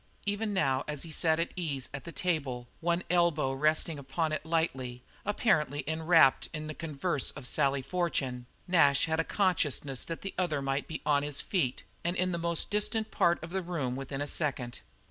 Even now as he sat at ease at the table, one elbow resting lightly upon it, apparently enwrapped in the converse of Sally Fortune, Nash had a consciousness that the other might be on his feet and in the most distant part of the room within a second.